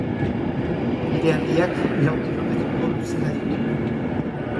Ubide Handiak lau kilometroko luzera ditu.